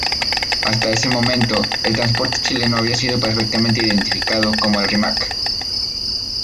Hasta ese momento, el transporte chileno había sido perfectamente identificado como el Rímac.